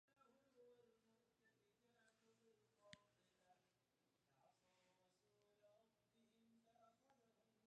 ብት ስረቱተ ረምበ ወዴ ወሀድም